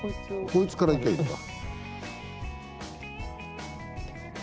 こいつからいきゃあいいんだ。